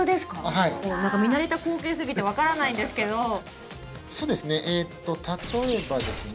はい見慣れた光景すぎて分からないんですけどそうですね例えばですね